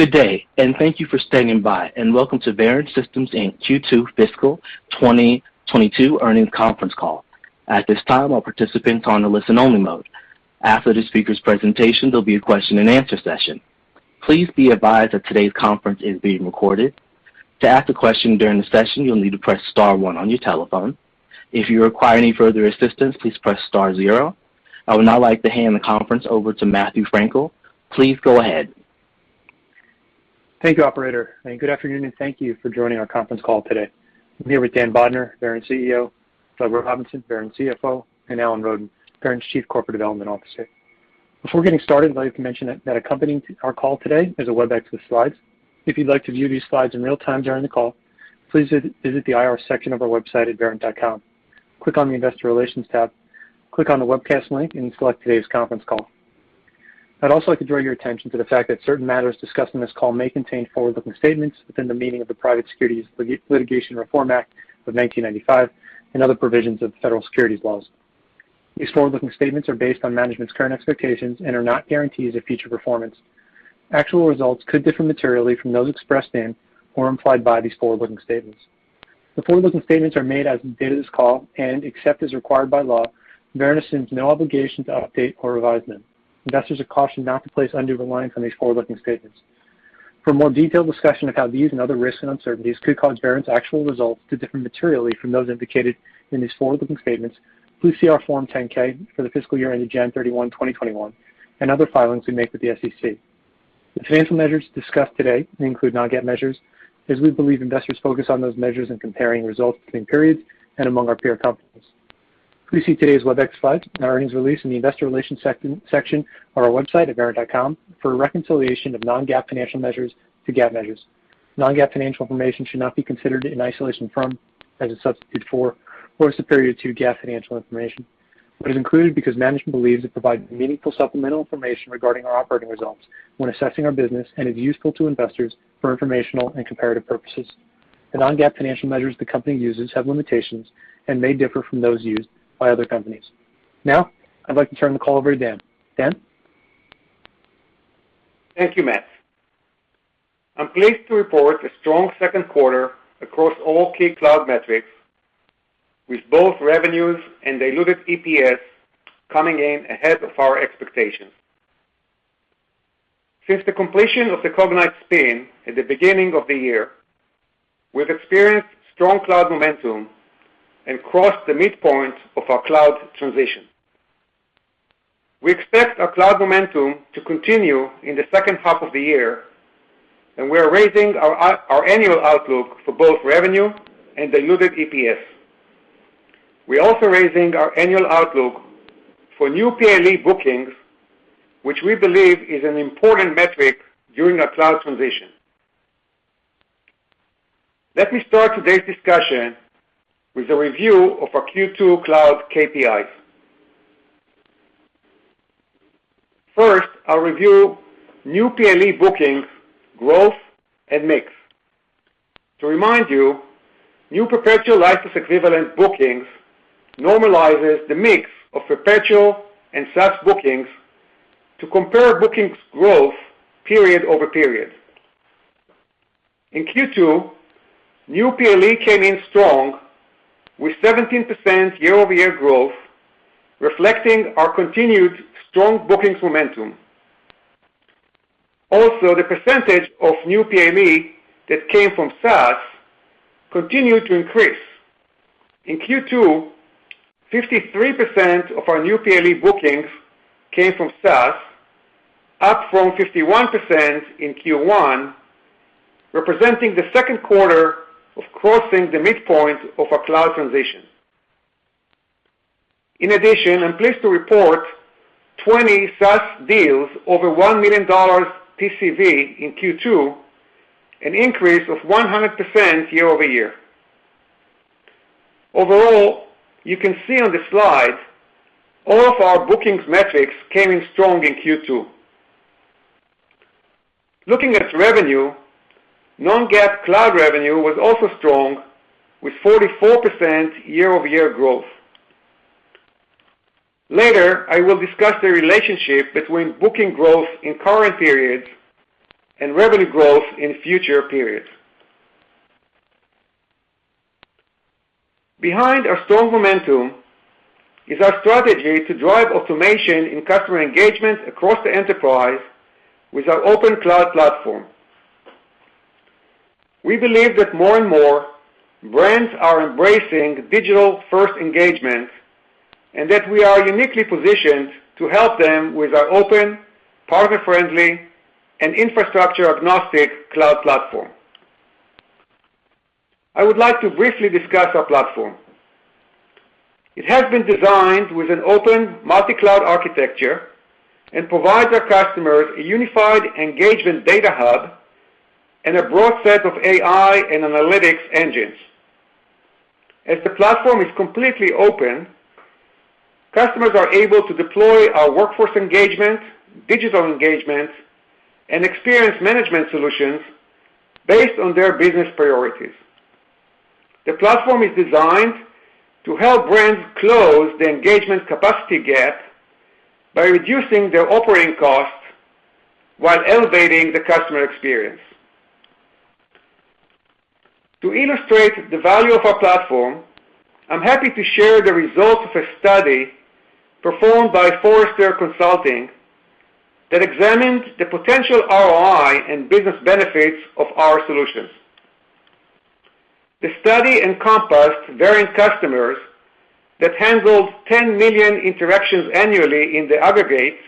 Good day, and thank you for standing by, and welcome to Verint Systms Inc. Q2 Fiscal 2022 Earnings Conference Call. At this time, all participants are in listen-only mode. After speaker's presentation, there will be a question and answer session. Please be advised that today's conference is being recorded. To ask a question during the session, please press star one on your telephone. If you require any further assistance, please press star zero. I would now like to hand the conference over to Matthew Frankel. Please go ahead. Thank you, operator, and good afternoon, and thank you for joining our conference call today. I'm here with Dan Bodner, Verint's Chief Executive Officer, Doug Robinson, Verint's Chief Financial Officer, and Alan Roden, Verint's Chief Corporate Development Officer. Before getting started, I'd like to mention that accompanying our call today is a Webex with slides. If you'd like to view these slides in real time during the call, please visit the IR section of our website at verint.com. Click on the investor relations tab, click on the webcast link and select today's conference call. I'd also like to draw your attention to the fact that certain matters discussed in this call may contain forward-looking statements within the meaning of the Private Securities Litigation Reform Act of 1995 and other provisions of federal securities laws. These forward-looking statements are based on management's current expectations and are not guarantees of future performance. Actual results could differ materially from those expressed in or implied by these forward-looking statements. The forward-looking statements are made as of the date of this call and, except as required by law, Verint assumes no obligation to update or revise them. Investors are cautioned not to place undue reliance on these forward-looking statements. For a more detailed discussion of how these and other risks and uncertainties could cause Verint's actual results to differ materially from those indicated in these forward-looking statements, please see our Form 10-K for the fiscal year ended January 31, 2021, and other filings we make with the Securities and Exchange Commission. The financial measures discussed today may include non-GAAP measures as we believe investors focus on those measures in comparing results between periods and among our peer companies. Please see today's Webex slides and our earnings release in the investor relations section of our website at verint.com for a reconciliation of non-GAAP financial measures to GAAP measures. Non-GAAP financial information should not be considered in isolation from, as a substitute for, or superior to GAAP financial information, but is included because management believes it provides meaningful supplemental information regarding our operating results when assessing our business and is useful to investors for informational and comparative purposes. The non-GAAP financial measures the company uses have limitations and may differ from those used by other companies. Now, I'd like to turn the call over to Dan. Dan Bodner? Thank you, Matt. I'm pleased to report a strong 2nd quarter across all key cloud metrics, with both revenues and Diluted Earnings per Share coming in ahead of our expectations. Since the completion of the Cognyte spin at the beginning of the year, we've experienced strong cloud momentum and crossed the midpoint of our cloud transition. We expect our cloud momentum to continue in the second half of the year, and we are raising our annual outlook for both revenue and Diluted EPS. We're also raising our annual outlook for new PLEbproduct-line evaluation bookings, which we believe is an important metric during our cloud transition. Let me start today's discussion with a review of our Q2 cloud Key Performance Indicators. First, I'll review new PLE bookings, growth and mix. To remind you, new perpetual license equivalent bookings normalizes the mix of perpetual and Software-as-a-Service bookings to compare bookings growth period over period. In Q2, new PLE came in strong with 17% year-over-year growth, reflecting our continued strong bookings momentum. The percentage of new PLE that came from SaaS continued to increase. In Q2, 53% of our new PLE bookings came from SaaS, up from 51% in Q1, representing the second quarter of crossing the midpoint of our cloud transition. I'm pleased to report 20 SaaS deals over $1 million Total Contract Value in Q2, an increase of 100% year-over-year. You can see on the slide, all of our bookings metrics came in strong in Q2. Looking at revenue, non-GAAP cloud revenue was also strong with 44% year-over-year growth. Later, I will discuss the relationship between booking growth in current periods and revenue growth in future periods. Behind our strong momentum is our strategy to drive automation in customer engagement across the enterprise with our open cloud platform. We believe that more and more brands are embracing digital-first engagement, that we are uniquely positioned to help them with our open, partner-friendly, and infrastructure-agnostic cloud platform. I would like to briefly discuss our platform. It has been designed with an open multi-cloud architecture and provides our customers a unified engagement data hub and a broad set of AI and analytics engines. As the platform is completely open, customers are able to deploy our workforce engagement, digital engagement, and experience management solutions based on their business priorities. The platform is designed to help brands close the engagement capacity gap by reducing their operating costs while elevating the customer experience. To illustrate the value of our platform, I'm happy to share the results of a study performed by Forrester Consulting that examined the potential Return on Investment and business benefits of our solutions. The study encompassed Verint customers that handled 10 million interactions annually in the aggregate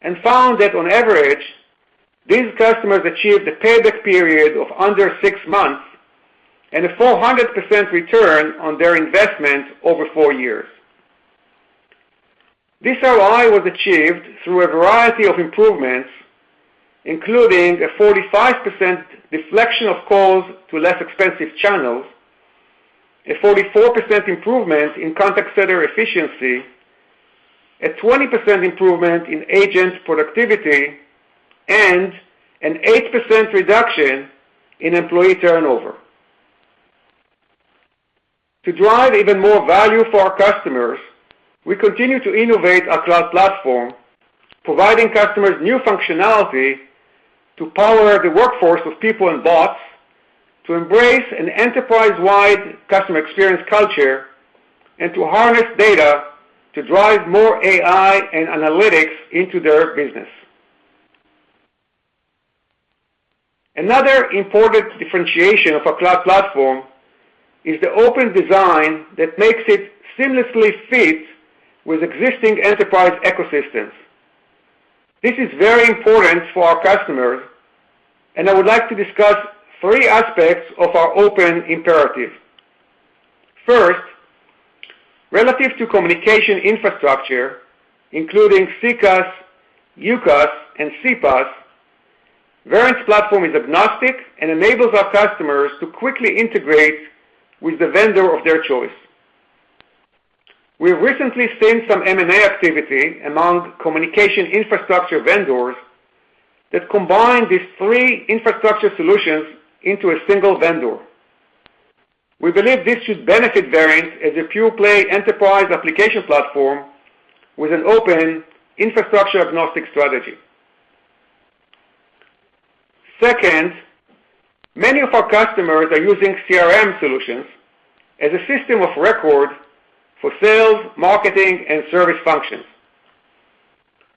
and found that on average, these customers achieved a payback period of under six months and a 400% return on their investment over four years. This ROI was achieved through a variety of improvements, including a 45% deflection of calls to less expensive channels, a 44% improvement in contact center efficiency, a 20% improvement in agent productivity, and an 8% reduction in employee turnover. To drive even more value for our customers, we continue to innovate our cloud platform, providing customers new functionality to power the workforce with people and bots, to embrace an enterprise-wide customer experience culture, and to harness data to drive more AI and analytics into their business. Another important differentiation of our cloud platform is the open design that makes it seamlessly fit with existing enterprise ecosystems. This is very important for our customers, and I would like to discuss three aspects of our open imperative. First, relative to communication infrastructure, including Contact Center as a Service, Unified Communications as a Service, and Communications Platform as a Service, Verint's platform is agnostic and enables our customers to quickly integrate with the vendor of their choice. We've recently seen some M&A activity among communication infrastructure vendors that combine these three infrastructure solutions into a single vendor. We believe this should benefit Verint as a pure-play enterprise application platform with an open infrastructure agnostic strategy. Second, many of our customers are using Customer Relationship Management solutions as a system of record for sales, marketing, and service functions.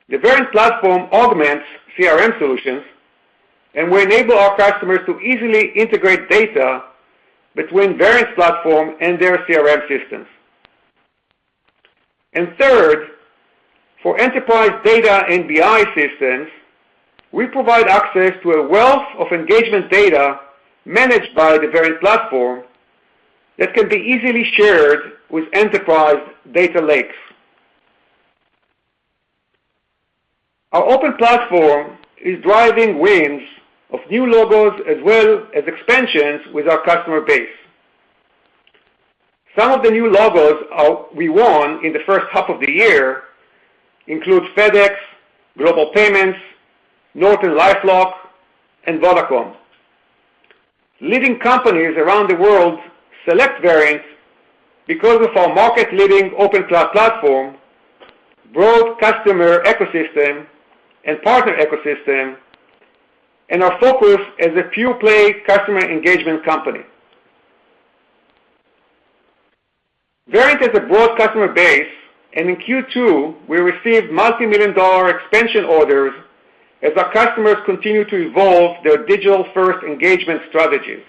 The Verint platform augments CRM solutions, and we enable our customers to easily integrate data between Verint's platform and their CRM systems. Third, for enterprise data and Business Intelligence systems, we provide access to a wealth of engagement data managed by the Verint platform that can be easily shared with enterprise data lakes. Our open platform is driving wins of new logos as well as expansions with our customer base. Some of the new logos we won in the first half of the year include FedEx, Global Payments, NortonLifeLock, and Vodafone. Leading companies around the world select Verint because of our market-leading open cloud platform, broad customer ecosystem and partner ecosystem, and our focus as a pure-play customer engagement company. Verint has a broad customer base, and in Q2, we received multi-million dollar expansion orders as our customers continue to evolve their digital-first engagement strategies.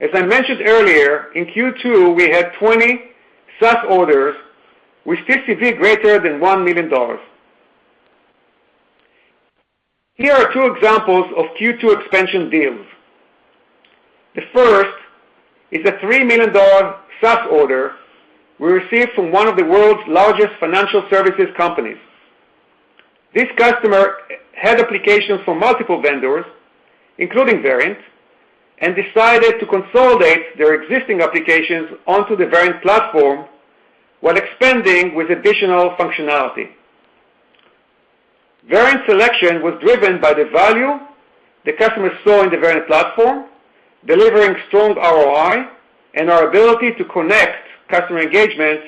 As I mentioned earlier, in Q2, we had 20 SaaS orders, with TCV greater than $1 million. Here are two examples of Q2 expansion deals. The first is a $3 million SaaS order we received from one of the world's largest financial services companies. This customer had applications from multiple vendors, including Verint, and decided to consolidate their existing applications onto the Verint platform while expanding with additional functionality. Verint's selection was driven by the value the customer saw in the Verint platform, delivering strong ROI, and our ability to connect customer engagements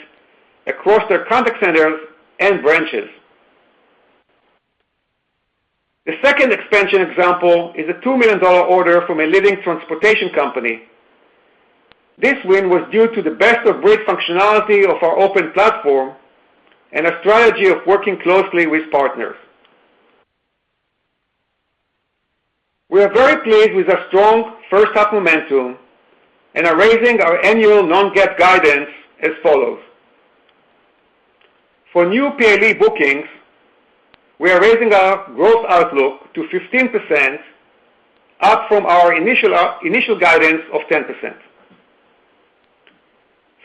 across their contact centers and branches. The second expansion example is a $2 million order from a leading transportation company. This win was due to the best of breed functionality of our open platform and a strategy of working closely with partners. We are very pleased with our strong first half momentum and are raising our annual non-GAAP guidance as follows. For new Perpetual License Equivalent bookings, we are raising our growth outlook to 15%, up from our initial guidance of 10%.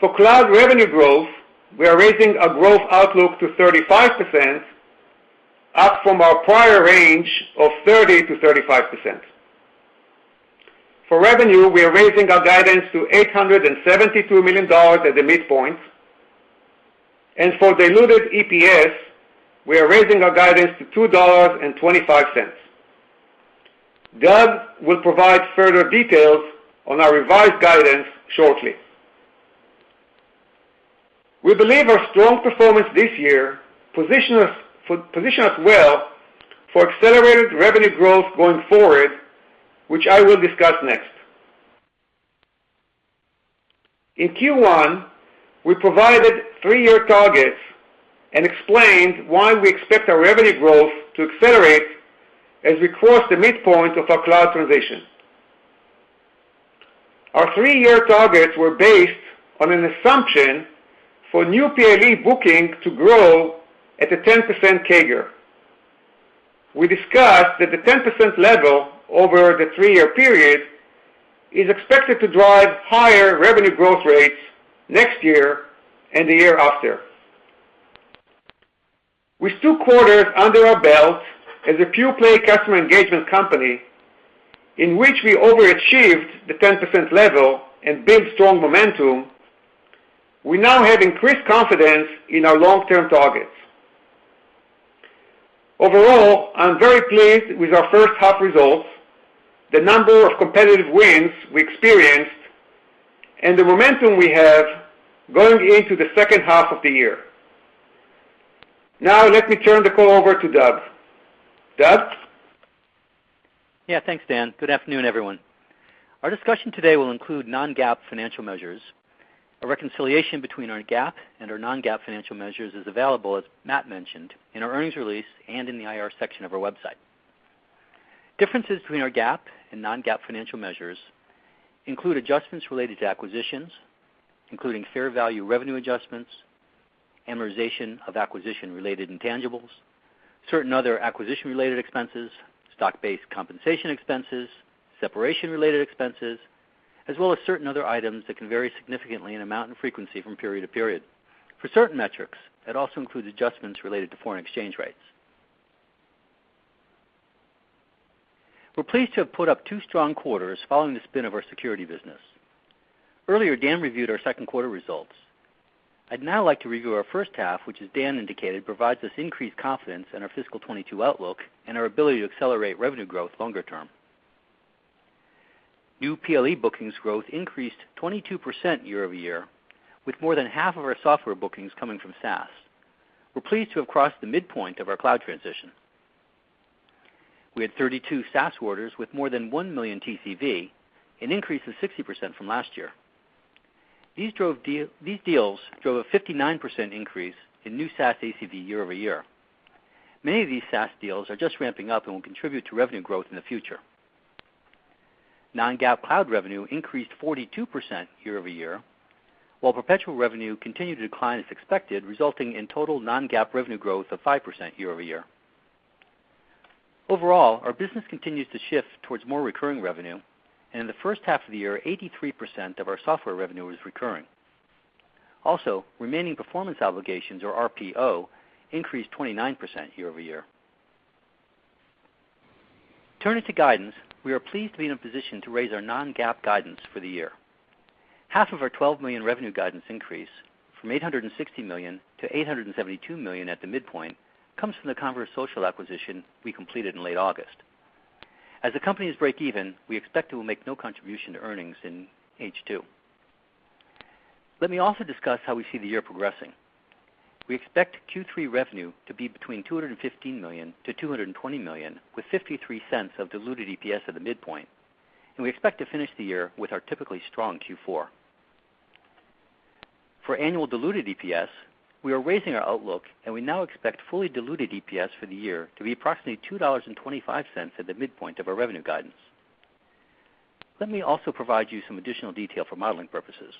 For cloud revenue growth, we are raising our growth outlook to 35%, up from our prior range of 30%-35%. For revenue, we are raising our guidance to $872 million at the midpoint. For Diluted EPS, we are raising our guidance to $2.25. Doug will provide further details on our revised guidance shortly. We believe our strong performance this year positions us well for accelerated revenue growth going forward, which I will discuss next. In Q1, we provided three-year targets and explained why we expect our revenue growth to accelerate as we cross the midpoint of our cloud transition. Our three-year targets were based on an assumption for new PLE bookings to grow at a 10% Compound Annual Growth Rate. We discussed that the 10% level over the three-year period is expected to drive higher revenue growth rates next year and the year after. With two quarters under our belt as a pure-play customer engagement company in which we overachieved the 10% level and built strong momentum, we now have increased confidence in our long-term targets. Overall, I'm very pleased with our first half results, the number of competitive wins we experienced, and the momentum we have going into the second half of the year. Now, let me turn the call over to Doug. Doug Robinson? Yeah, thanks, Dan. Good afternoon, everyone. Our discussion today will include non-GAAP financial measures. A reconciliation between our GAAP and our non-GAAP financial measures is available, as Matt mentioned, in our earnings release and in the Investor Relations section of our website. Differences between our GAAP and non-GAAP financial measures include adjustments related to acquisitions, including fair value revenue adjustments, amortization of acquisition-related intangibles, certain other acquisition-related expenses, stock-based compensation expenses, separation-related expenses, as well as certain other items that can vary significantly in amount and frequency from period to period. For certain metrics, that also includes adjustments related to foreign exchange rates. We're pleased to have put up two strong quarters following the spin of our security business. Earlier, Dan reviewed our second quarter results. I'd now like to review our first half, which, as Dan indicated, provides us increased confidence in our fiscal 2022 outlook and our ability to accelerate revenue growth longer term. New PLE bookings growth increased 22% year-over-year, with more than half of our software bookings coming from SaaS. We're pleased to have crossed the midpoint of our cloud transition. We had 32 SaaS orders with more than $1 million TCV, an increase of 60% from last year. These deals drove a 59% increase in new SaaS Annual Contract Value year-over-year. Many of these SaaS deals are just ramping up and will contribute to revenue growth in the future. Non-GAAP cloud revenue increased 42% year-over-year, while perpetual revenue continued to decline as expected, resulting in total non-GAAP revenue growth of 5% year-over-year. Overall, our business continues to shift towards more recurring revenue, and in the first half of the year, 83% of our software revenue was recurring. Also, Remaining Performance Obligations, or RPO, increased 29% year-over-year. Turning to guidance, we are pleased to be in a position to raise our non-GAAP guidance for the year. Half of our $12 million revenue guidance increase from $860 million to $872 million at the midpoint comes from the Conversocial acquisition we completed in late August. As the companies break even, we expect it will make no contribution to earnings in H2. Let me also discuss how we see the year progressing. We expect Q3 revenue to be between $215 million-$220 million, with $0.53 of Diluted EPS at the midpoint. We expect to finish the year with our typically strong Q4. For annual Diluted EPS, we are raising our outlook, and we now expect fully Diluted EPS for the year to be approximately $2.25 at the midpoint of our revenue guidance. Let me also provide you some additional detail for modeling purposes.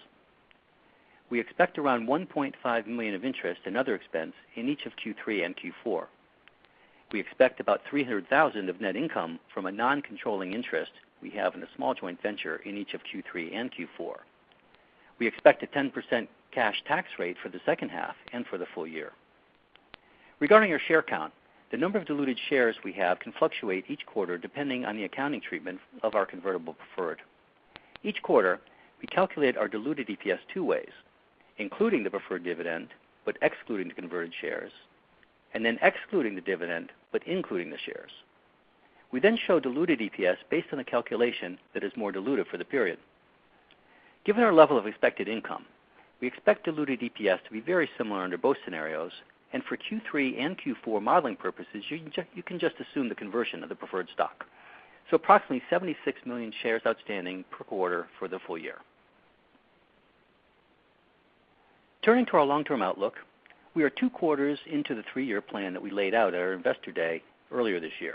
We expect around $1.5 million of interest and other expense in each of Q3 and Q4. We expect about $300,000 of net income from a non-controlling interest we have in a small joint venture in each of Q3 and Q4. We expect a 10% cash tax rate for the second half and for the full year. Regarding our share count, the number of diluted shares we have can fluctuate each quarter depending on the accounting treatment of our convertible preferred. Each quarter, we calculate our Diluted EPS two ways, including the preferred dividend, but excluding the converted shares, and then excluding the dividend, but including the shares. We show Diluted EPS based on the calculation that is more diluted for the period. Given our level of expected income, we expect Diluted EPS to be very similar under both scenarios, and for Q3 and Q4 modeling purposes, you can just assume the conversion of the preferred stock. Approximately 76 million shares outstanding per quarter for the full year. Turning to our long-term outlook, we are 2 quarters into the 3-year plan that we laid out at our investor day earlier this year.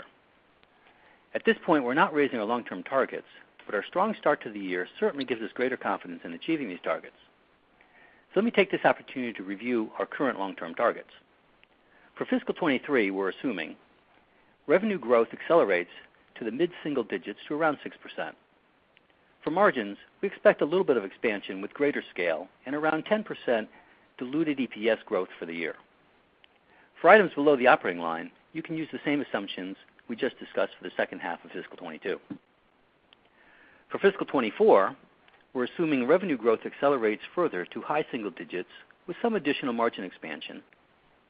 At this point, we're not raising our long-term targets, but our strong start to the year certainly gives us greater confidence in achieving these targets. Let me take this opportunity to review our current long-term targets. For FY 2023, we're assuming revenue growth accelerates to the mid-single digits to around 6%. For margins, we expect a little bit of expansion with greater scale and around 10% diluted EPS growth for the year. For items below the operating line, you can use the same assumptions we just discussed for the second half of fiscal 2022. For fiscal 2024, we're assuming revenue growth accelerates further to high single digits with some additional margin expansion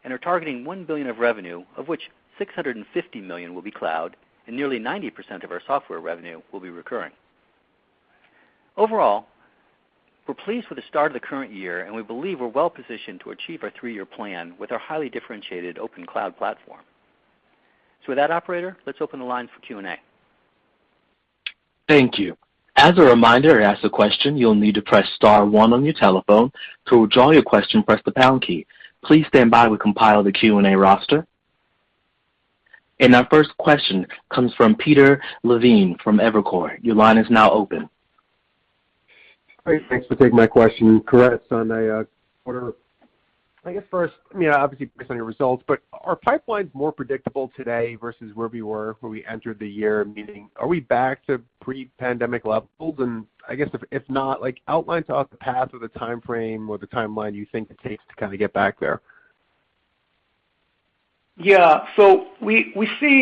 and are targeting $1 billion of revenue, of which $650 million will be cloud and nearly 90% of our software revenue will be recurring. Overall, we're pleased with the start of the current year, and we believe we're well-positioned to achieve our three-year plan with our highly differentiated open cloud platform. With that, operator, let's open the line for Q&A. Thank you. As a reminder, after the question, you'll need to press star one on your telephone. To withdraw your question, press the pound key. Please stand by while we compile the Q&A roster. Our first question comes from Peter Levine from Evercore ISI. Your line is now open. Great. Thanks for taking my question. [Congrats], on a quarter, I guess first, obviously based on your results, are pipelines more predictable today versus where we were when we entered the year, meaning are we back to pre-pandemic levels? I guess if not, outline to us the path or the timeframe or the timeline you think it takes to kind of get back there. Yeah. We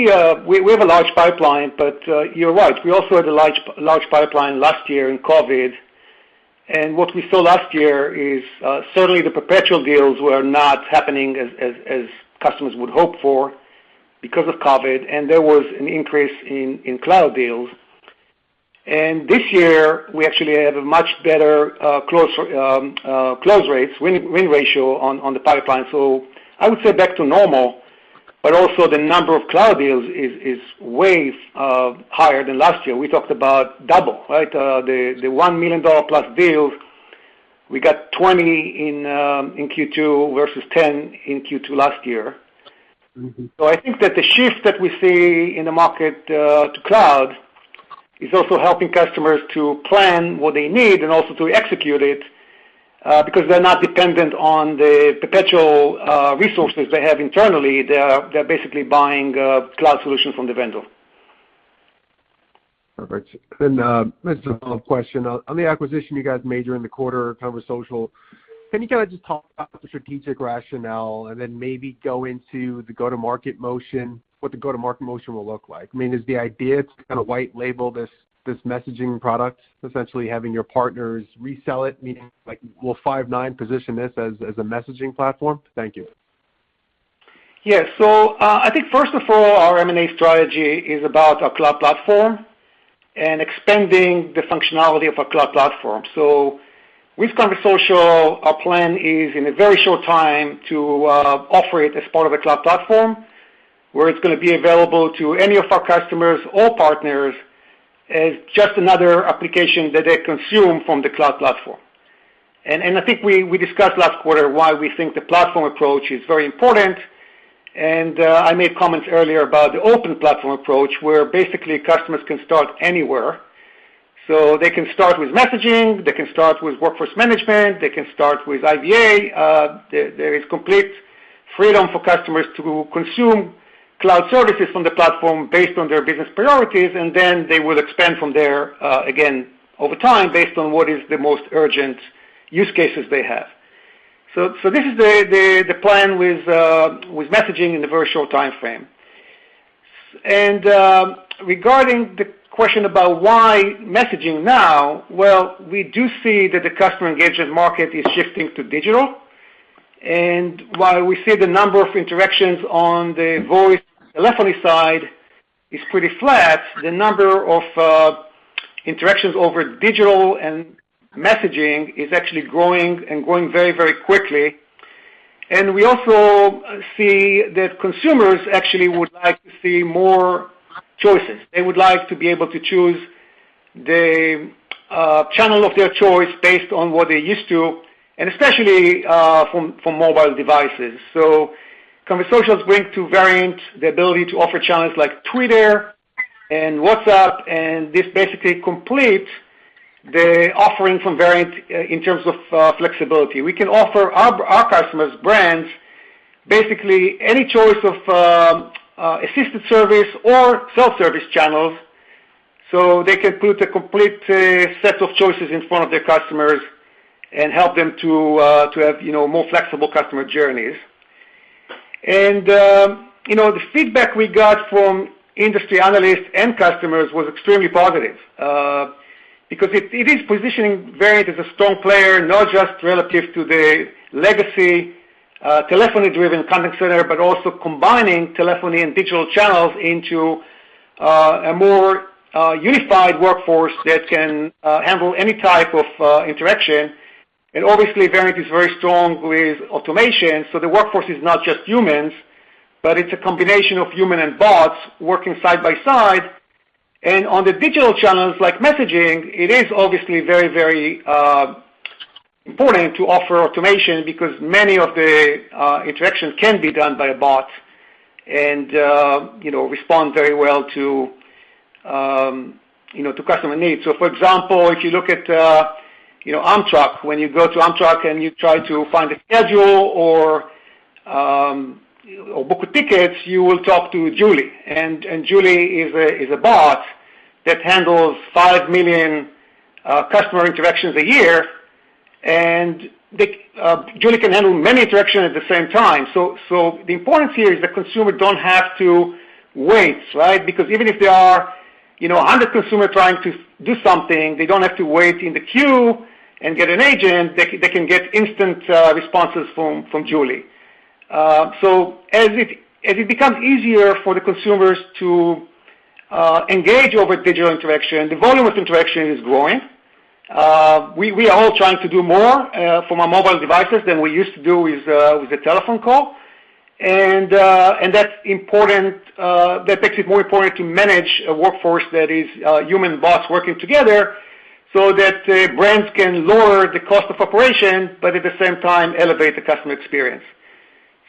have a large pipeline, but you're right, we also had a large pipeline last year in COVID. What we saw last year is, certainly the perpetual deals were not happening as customers would hope for because of COVID, and there was an increase in cloud deals. This year, we actually have a much better close rates, win ratio on the pipeline. I would say back to normal, but also the number of cloud deals is way higher than last year. We talked about double, right? The $1+ million deals, we got 20 in Q2 versus 10 in Q2 last year. I think that the shift that we see in the market to cloud is also helping customers to plan what they need and also to execute it, because they're not dependent on the perpetual resources they have internally. They're basically buying cloud solutions from the vendor. Perfect. Just a follow-up question. On the acquisition, you guys made during the quarter, Conversocial, can you just talk about the strategic rationale and then maybe go into the go-to-market motion, what the go-to-market motion will look like? I mean, is the idea to white label this messaging product, essentially having your partners resell it, meaning, will Five9 position this as a messaging platform? Thank you. Yeah. I think, first of all, our M&A strategy is about our cloud platform and expanding the functionality of our cloud platform. With Conversocial, our plan is, in a very short time, to offer it as part of a cloud platform, where it's going to be available to any of our customers or partners as just another application that they consume from the cloud platform. I think we discussed last quarter why we think the platform approach is very important, and I made comments earlier about the open platform approach, where basically customers can start anywhere. They can start with messaging, they can start with workforce management, they can start with Intelligent Virtual Assistant. There is complete freedom for customers to consume cloud services from the platform based on their business priorities, and then they would expand from there, again, over time, based on what is the most urgent use cases they have. This is the plan with messaging in a very short timeframe. Regarding the question about why messaging now, well, we do see that the customer engagement market is shifting to digital. While we see the number of interactions on the voice telephony side is pretty flat, the number of interactions over digital and messaging is actually growing and growing very, very quickly. We also see that consumers actually would like to see more choices. They would like to be able to choose the channel of their choice based on what they're used to, and especially, for mobile devices. Conversocial is going to Verint the ability to offer channels like Twitter and WhatsApp, and this basically completes the offering from Verint in terms of flexibility. We can offer our customers brands, basically any choice of assisted service or self-service channels, so they can put a complete set of choices in front of their customers and help them to have more flexible customer journeys. The feedback we got from industry analysts and customers was extremely positive. Because it is positioning Verint as a strong player, not just relative to the legacy telephony-driven contact center, but also combining telephony and digital channels into a more unified workforce that can handle any type of interaction. Obviously, Verint is very strong with automation, so the workforce is not just humans, but it's a combination of human and bots working side by side. On the digital channels like messaging, it is obviously very, very important to offer automation because many of the interactions can be done by a bot and respond very well to customer needs. For example, if you look at Amtrak, when you go to Amtrak and you try to find a schedule or book tickets, you will talk to Julie. Julie is a bot that handles 5 million customer interactions a year. Julie can handle many interactions at the same time. The importance here is the consumer don't have to wait, right? Because even if they are 100 consumer trying to do something, they don't have to wait in the queue and get an agent. They can get instant responses from Julie. As it becomes easier for the consumers to engage over digital interaction, the volume of interaction is growing. We are all trying to do more from our mobile devices than we used to do with a telephone call. That makes it more important to manage a workforce that is human and bots working together so that brands can lower the cost of operation, but at the same time elevate the customer experience.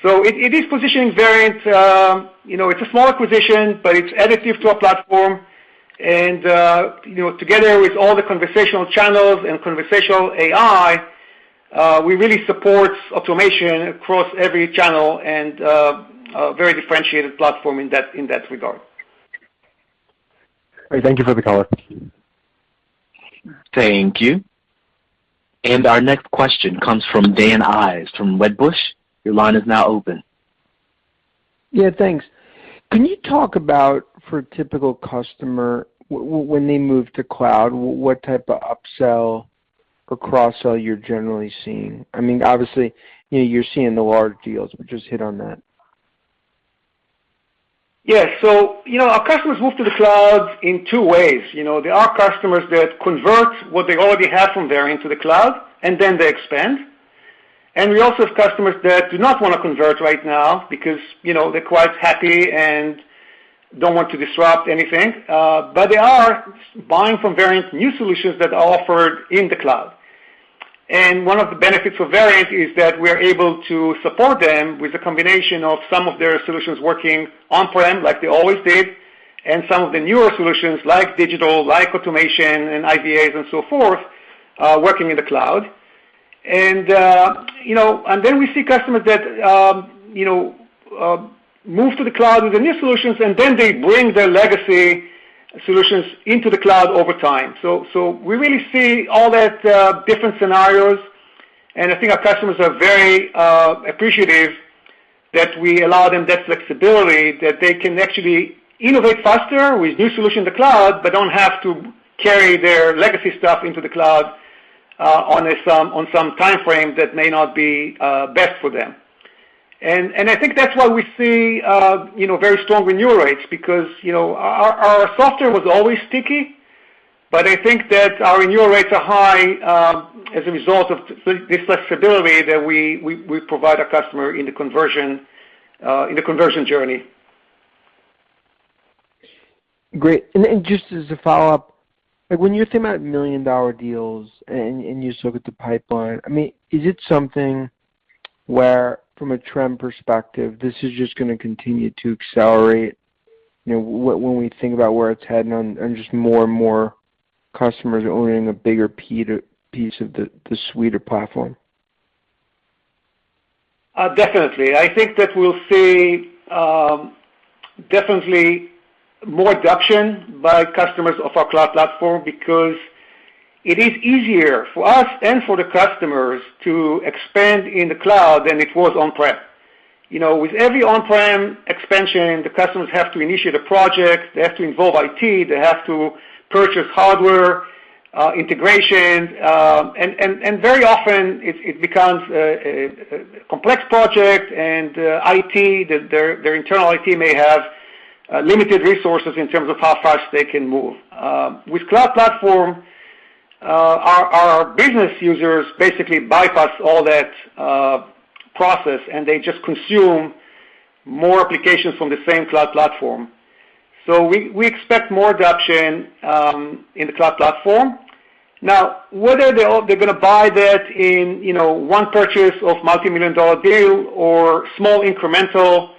It is positioning Verint. It's a small acquisition, but it's additive to our platform. Together with all the conversational channels and conversational AI, we really support automation across every channel and a very differentiated platform in that regard. All right. Thank you for the color. Thank you. Our next question comes from Dan Ives from Wedbush. Your line is now open. Yeah, thanks. Can you talk about for a typical customer, when they move to cloud, what type of upsell or cross-sell you're generally seeing? I mean, obviously, you're seeing the large deals, but just hit on that. Yeah. Our customers move to the cloud in two ways. There are customers that convert what they already have from Verint to the cloud, and then they expand. We also have customers that do not want to convert right now because they're quite happy and don't want to disrupt anything. They are buying from Verint new solutions that are offered in the cloud. One of the benefits for Verint is that we're able to support them with a combination of some of their solutions working on-premise like they always did, and some of the newer solutions like digital, like automation and IVAs and so forth, working in the cloud. Then we see customers that move to the cloud with the new solutions, and then they bring their legacy solutions into the cloud over time. We really see all that different scenarios, and I think our customers are very appreciative that we allow them that flexibility that they can actually innovate faster with new solutions to cloud, but don't have to carry their legacy stuff into the cloud on some timeframe that may not be best for them. I think that's why we see very strong renewal rates because our software was always sticky, but I think that our renewal rates are high as a result of this flexibility that we provide our customer in the conversion journey. Just as a follow-up, when you're talking about million-dollar deals and you still get the pipeline, I mean, is it something where from a trend perspective, this is just going to continue to accelerate, when we think about where it's heading on and just more and more customers owning a bigger piece of the suite or platform? Definitely. I think that we'll see definitely more adoption by customers of our cloud platform because it is easier for us and for the customers to expand in the cloud than it was on-premise. With every on-premise expansion, the customers have to initiate a project, they have to involve Information Technology, they have to purchase hardware, integration, and very often it becomes a complex project and their internal IT may have limited resources in terms of how fast they can move. With cloud platform, our business users basically bypass all that process, and they just consume more applications from the same cloud platform. We expect more adoption in the cloud platform. Now, whether they're going to buy that in one purchase of multimillion-dollar deal or small incremental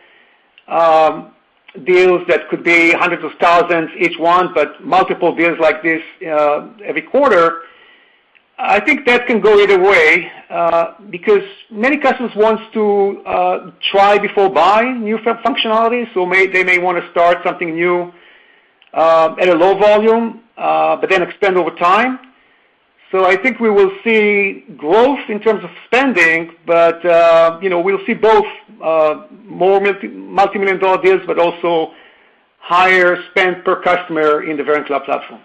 deals, that could be hundreds of thousands each one, but multiple deals like this every quarter, I think that can go either way, because many customers wants to try before buying new functionality. They may want to start something new at a low volume, but then expand over time. I think we will see growth in terms of spending, but we'll see both more multimillion-dollar deals, but also higher spend per customer in the Verint Cloud Platform.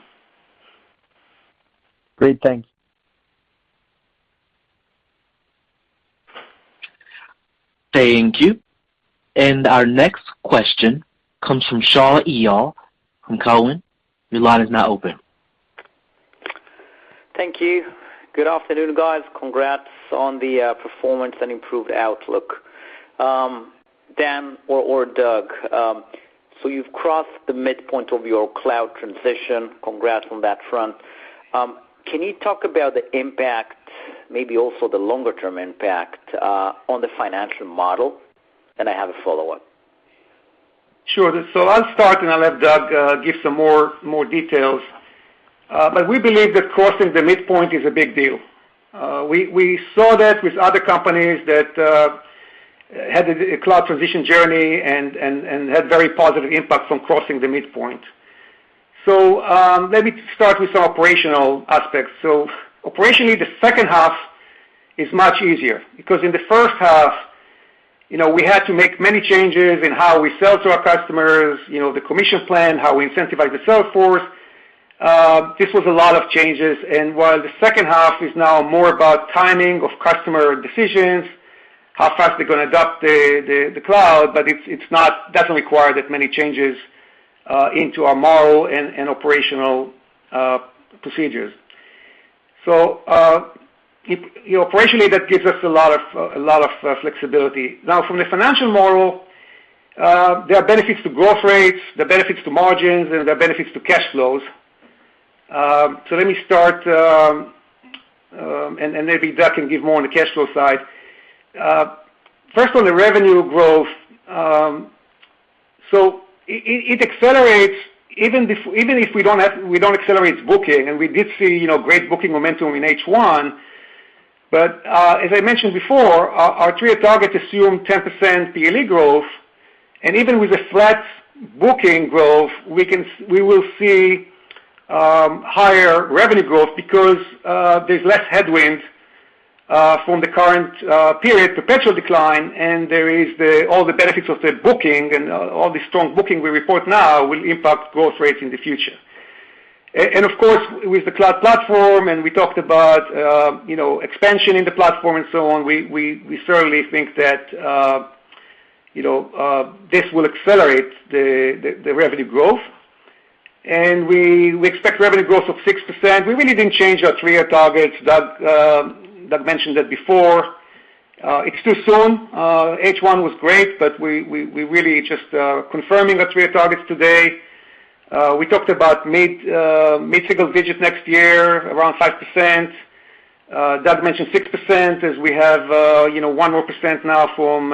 Great. Thanks. Thank you. Our next question comes from Shaul Eyal from TD Cowen. Your line is now open. Thank you. Good afternoon, guys. Congrats on the performance and improved outlook. Dan or Doug, you've crossed the midpoint of your cloud transition. Congrats on that front. Can you talk about the impact, maybe also the longer-term impact, on the financial model? I have a follow-up. Sure. I'll start, and I'll let Doug give some more details. We believe that crossing the midpoint is a big deal. We saw that with other companies that had a cloud transition journey and had very positive impact from crossing the midpoint. Let me start with some operational aspects. Operationally, the second half is much easier because in the first half, we had to make many changes in how we sell to our customers, the commission plan, how we incentivize the sales force. This was a lot of changes. While the second half is now more about timing of customer decisions, how fast they're going to adopt the cloud, but it doesn't require that many changes into our model and operational procedures. Operationally, that gives us a lot of flexibility. From the financial model, there are benefits to growth rates, there are benefits to margins, and there are benefits to cash flows. Let me start, and maybe Doug can give more on the cash flow side. First, on the revenue growth. It accelerates even if we don't accelerate booking, and we did see great booking momentum in H1. As I mentioned before, our three-year targets assume 10% yearly growth. Even with a flat booking growth, we will see higher revenue growth because there's less headwinds from the current period, perpetual decline, and there is all the benefits of the booking and all the strong booking we report now will impact growth rates in the future. Of course, with the Verint Cloud Platform, and we talked about expansion in the platform and so on, we certainly think that this will accelerate the revenue growth. We expect revenue growth of 6%. We really didn't change our three-year targets. Doug mentioned that before. It's too soon. H1 was great, we really just confirming the three-year targets today. We talked about mid-single digit next year, around 5%. Doug mentioned 6% as we have one more percent now from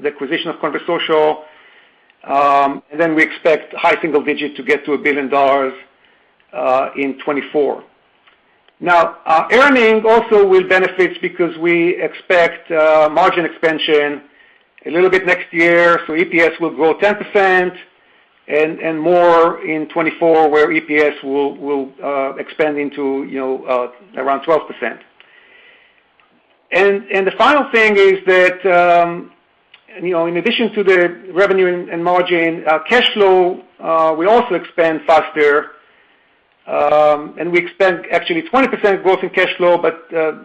the acquisition of Conversocial. We expect high single digit to get to $1 billion in 2024. Earnings also will benefit because we expect margin expansion a little bit next year. EPS will grow 10% and more in 2024, where EPS will expand into around 12%. The final thing is that, in addition to the revenue and margin, cash flow will also expand faster. We expect actually 20% growth in cash flow.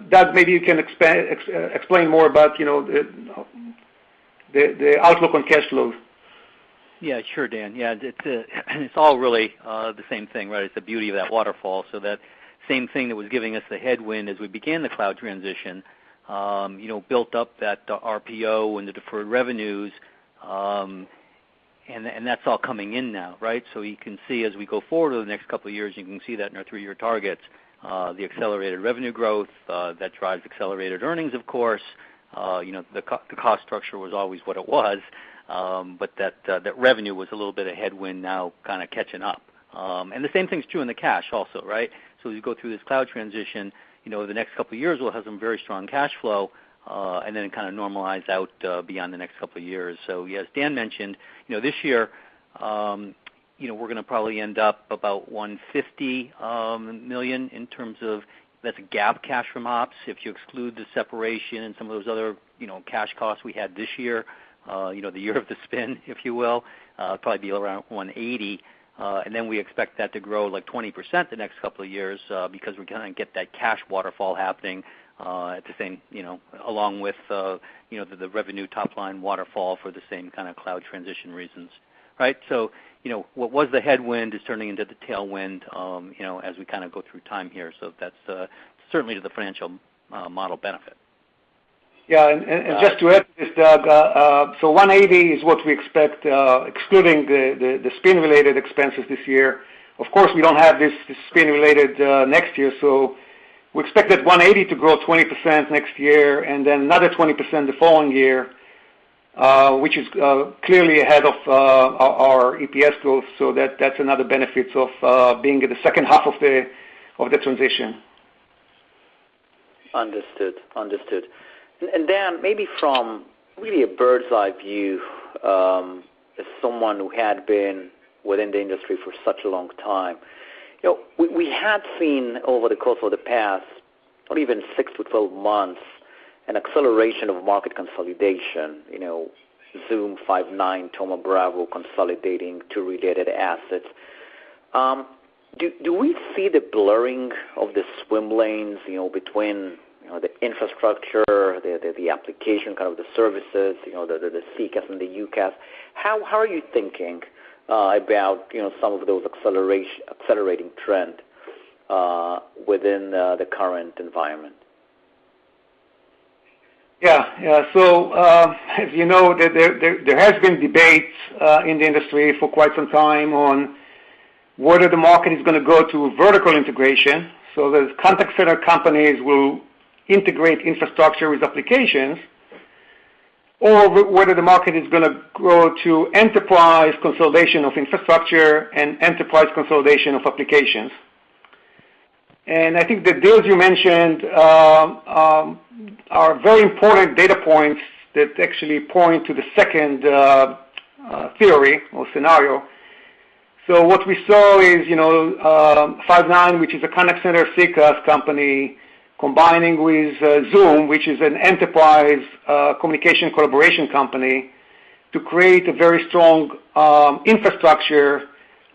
Doug, maybe you can explain more about the outlook on cash flows. Yeah, sure, Dan. It's all really the same thing, right? It's the beauty of that waterfall. That same thing that was giving us the headwind as we began the cloud transition built up that RPO and the deferred revenues, and that's all coming in now, right? You can see as we go forward over the next couple of years, you can see that in our three-year targets, the accelerated revenue growth that drives accelerated earnings, of course. The cost structure was always what it was, but that revenue was a little bit of headwind now kind of catching up. The same thing's true in the cash also, right? As you go through this cloud transition, the next couple of years will have some very strong cash flow, and then it kind of normalize out beyond the next couple of years. Yeah, as Dan mentioned, this year, we're going to probably end up about $150 million in terms of, that's a GAAP cash from ops. If you exclude the separation and some of those other cash costs we had this year, the year of the spin, if you will, probably be around $180. Then we expect that to grow, like 20% the next couple of years, because we're going to get that cash waterfall happening at the same, along with the revenue top line waterfall for the same kind of cloud transition reasons, right? What was the headwind is turning into the tailwind as we kind of go through time here. That's certainly to the financial model benefit. Yeah. Just to add to this, Doug, $180 is what we expect, excluding the spin-related expenses this year. Of course, we don't have this spin-related next year. We expect that $180 to grow 20% next year and then another 20% the following year, which is clearly ahead of our EPS growth. That's another benefit of being at the second half of the transition. Understood. Dan, maybe from really a bird's eye view, as someone who had been within the industry for such a long time, we had seen over the course of the past, or even 6-12 months, an acceleration of market consolidation. Zoom, Five9, Thoma Bravo consolidating two related assets. Do we see the blurring of the swim lanes between the infrastructure, the application, kind of the services, the CCaaS and the UCaaS? How are you thinking about some of those accelerating trend within the current environment? Yeah. As you know, there has been debates in the industry for quite some time on whether the market is going to go to vertical integration. Those contact center companies will integrate infrastructure with applications, or whether the market is going to grow to enterprise consolidation of infrastructure and enterprise consolidation of applications. I think the deals you mentioned are very important data points that actually point to the second theory or scenario. What we saw is Five9, which is a contact center CCaaS company, combining with Zoom, which is an enterprise communication collaboration company, to create a very strong infrastructure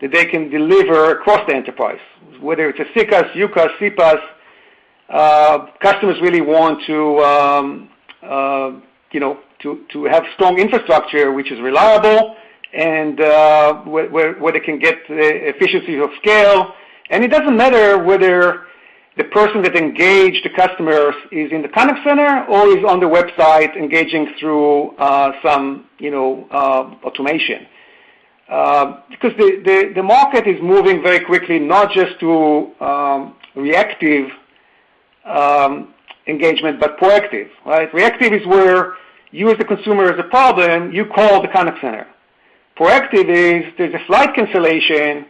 that they can deliver across the enterprise. Whether it's a CCaaS, UCaaS, CPaaS, customers really want to have strong infrastructure which is reliable and where they can get the efficiencies of scale. It doesn't matter whether the person that engaged the customer is in the contact center or is on the website engaging through some automation. The market is moving very quickly, not just to reactive engagement, but proactive. Reactive is where you, as the consumer, has a problem, you call the contact center. Proactive is, there's a flight cancellation,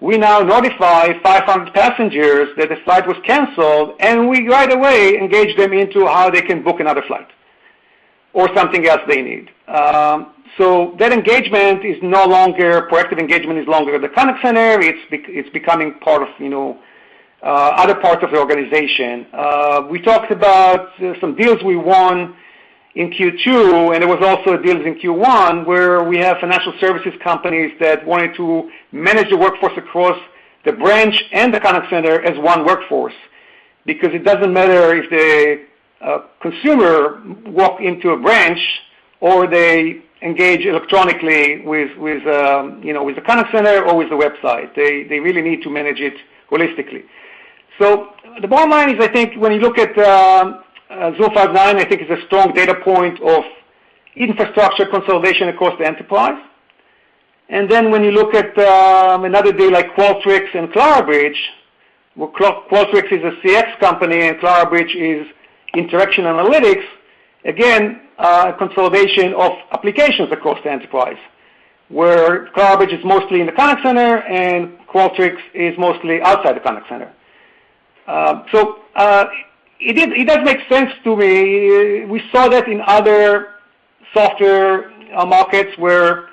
we now notify 500 passengers that the flight was canceled, and we right away engage them into how they can book another flight or something else they need. Proactive engagement is no longer at the contact center. It's becoming part of other parts of the organization. We talked about some deals we won in Q2, and there was also deals in Q1, where we have financial services companies that wanted to manage the workforce across the branch and the contact center as one workforce. Because it doesn't matter if the consumer walk into a branch or they engage electronically with the contact center or with the website. They really need to manage it holistically. The bottom line is, I think when you look at Zoom Five9, I think it's a strong data point of infrastructure consolidation across the enterprise. Then when you look at another deal like Qualtrics and Clarabridge, where Qualtrics is a Customer Experience company and Clarabridge is interaction analytics, again, consolidation of applications across the enterprise, where Clarabridge is mostly in the contact center and Qualtrics is mostly outside the contact center. It does make sense to me. We saw that in other software markets where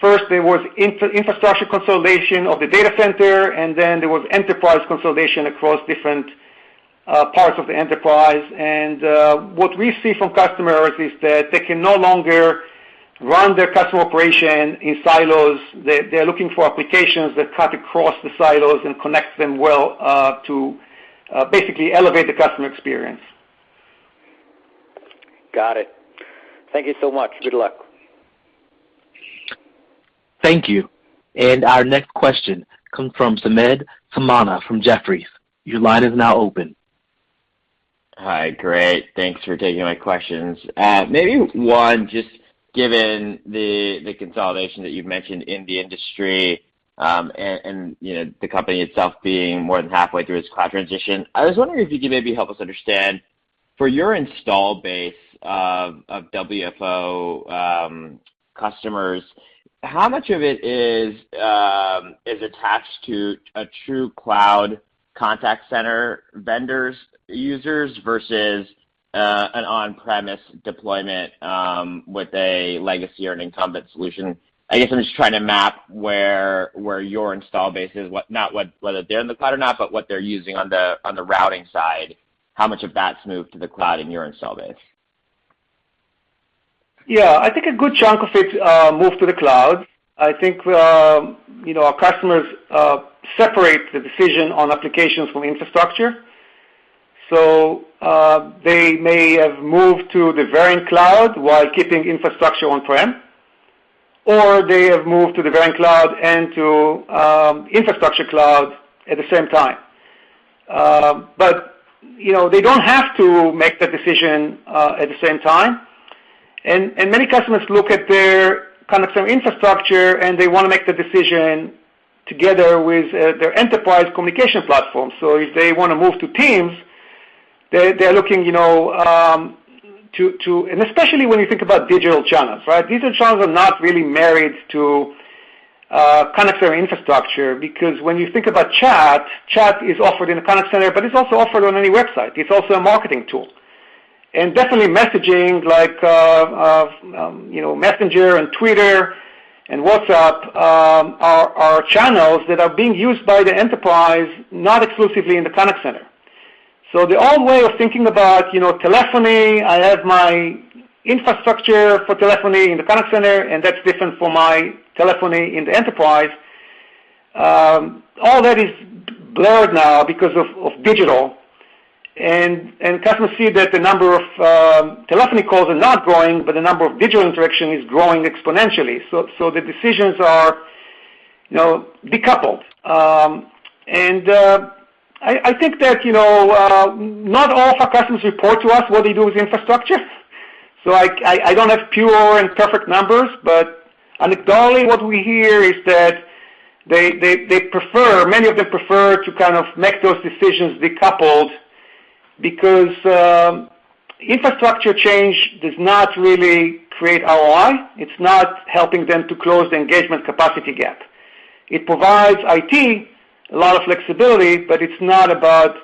first there was infrastructure consolidation of the data center, and then there was enterprise consolidation across different parts of the enterprise. What we see from customers is that they can no longer run their customer operation in silos. They're looking for applications that cut across the silos and connect them well to basically elevate the customer experience. Got it. Thank you so much. Good luck. Thank you. Our next question comes from Samad Samana from Jefferies. Your line is now open. Hi, great. Thanks for taking my questions. Maybe one, just given the consolidation that you've mentioned in the industry, and the company itself being more than halfway through its cloud transition, I was wondering if you could maybe help us understand, for your install base of Workforce Optimization customers, how much of it is attached to a true cloud contact center vendors users versus an on-premise deployment with a legacy or an incumbent solution? I guess I'm just trying to map where your install base is, not whether they're in the cloud or not, but what they're using on the routing side. How much of that's moved to the cloud in your install base? Yeah, I think a good chunk of it moved to the cloud. I think our customers separate the decision on applications from infrastructure. They may have moved to the Verint Cloud while keeping infrastructure on-premise, or they have moved to the Verint Cloud and to infrastructure cloud at the same time. They don't have to make the decision at the same time. Many customers look at their contact center infrastructure, and they want to make the decision together with their enterprise communication platform. If they want to move to Teams, especially when you think about digital channels. Digital channels are not really married to contact center infrastructure because when you think about chat is offered in a contact center, but it's also offered on any website. It's also a marketing tool. Definitely messaging like Messenger and Twitter and WhatsApp are channels that are being used by the enterprise, not exclusively in the contact center. The old way of thinking about telephony, I have my infrastructure for telephony in the contact center, and that's different from my telephony in the enterprise, all that is blurred now because of digital. Customers see that the number of telephony calls are not growing, but the number of digital interaction is growing exponentially. The decisions are decoupled. I think that not all of our customers report to us what they do with infrastructure, so I don't have pure and perfect numbers. Anecdotally, what we hear is that many of them prefer to kind of make those decisions decoupled. Because infrastructure change does not really create ROI. It's not helping them to close the engagement capacity gap. It provides IT a lot of flexibility, but it's not about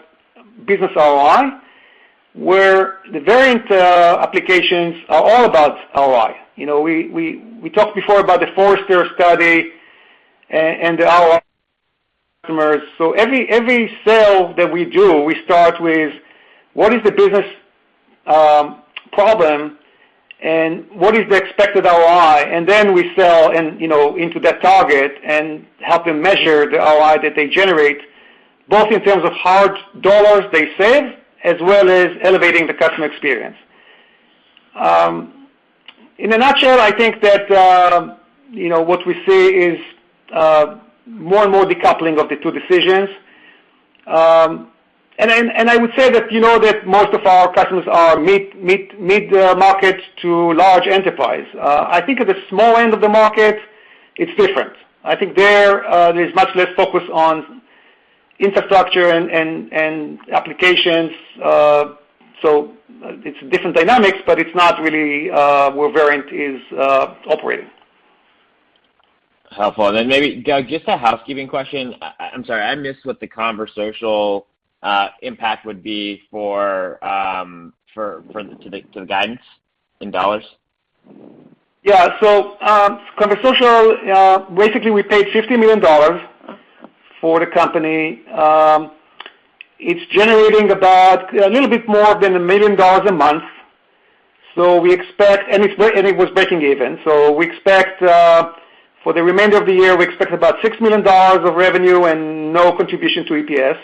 business ROI, where the Verint applications are all about ROI. We talked before about the Forrester study and the ROI customers. Every sale that we do, we start with what is the business problem and what is the expected ROI, and then we sell into that target and help them measure the ROI that they generate, both in terms of hard dollars they save, as well as elevating the customer experience. In a nutshell, I think that what we see is more and more decoupling of the two decisions. I would say that most of our customers are mid-market to large enterprise. I think at the small end of the market, it's different. I think there's much less focus on infrastructure and applications. It's different dynamics, but it's not really where Verint is operating. Helpful. Maybe just a housekeeping question. I'm sorry. I missed what the Conversocial impact would be to the guidance in dollars. Yeah. Conversocial, basically we paid $50 million for the company. It's generating about a little bit more than $1 million a month. It was breaking even. We expect, for the remainder of the year, we expect about $6 million of revenue and no contribution to EPS.